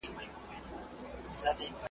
که عادت سي یو ځل خوله په بد ویلو .